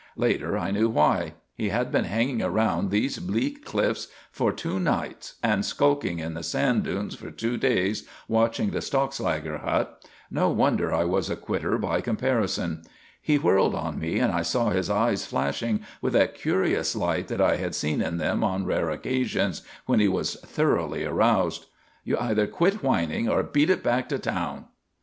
Later I knew why. He had been hanging around those bleak cliffs for two nights and skulking in the sand dunes for two days watching the Stockslager hut. No wonder I was a "quitter" by comparison. He whirled on me and I saw his eyes flashing with that curious light that I had seen in them on rare occasions when he was thoroughly aroused. "You either quit whining or beat it back to town."